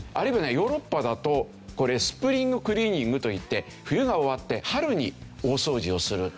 ヨーロッパだとスプリング・クリーニングといって冬が終わって春に大掃除をする。